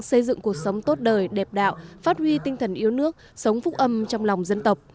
xây dựng cuộc sống tốt đời đẹp đạo phát huy tinh thần yêu nước sống phúc âm trong lòng dân tộc